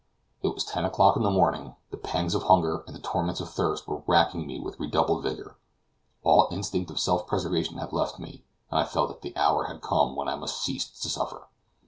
It was ten o'clock in the morning. The pangs of hunger and the torments of thirst were racking me with redoubled vigor. All instinct of self preservation had left me, and I felt that the hour had come when I must cease to suffer.